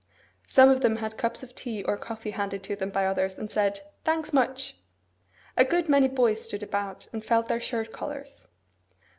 Some of them had cups of tea or coffee handed to them by others, and said, 'Thanks; much!' A good many boys stood about, and felt their shirt collars.